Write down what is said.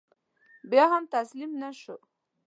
بیا هم تسلیم نه شو.